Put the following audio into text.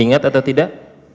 ingat atau tidak